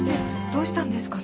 どうしたんですか？